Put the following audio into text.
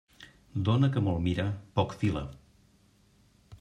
Dona que molt mira, poc fila.